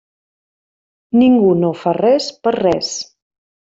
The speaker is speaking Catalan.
Ningú no fa res per res.